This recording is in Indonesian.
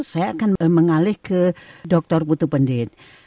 saya akan mengalih ke dr butuh pendid